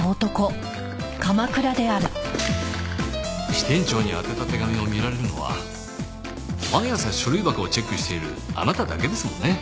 支店長に宛てた手紙を見られるのは毎朝書類箱をチェックしているあなただけですもんね。